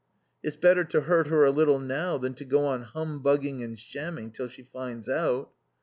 "It's better to hurt her a little now than to go on humbugging and shamming till she finds out.